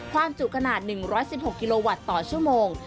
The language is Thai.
จุขนาด๑๑๖กิโลวัตต์ต่อชั่วโมง